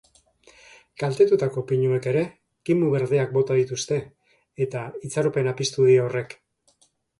Kaltetutako pinuek ere kimu berdeak bota dituzte, eta itxaropena piztu die horrek.